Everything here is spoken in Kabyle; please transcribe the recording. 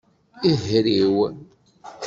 Ihriw.